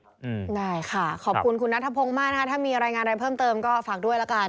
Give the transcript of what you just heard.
อืมได้ค่ะขอบคุณคุณนัทพงศ์มากนะคะถ้ามีรายงานอะไรเพิ่มเติมก็ฝากด้วยละกัน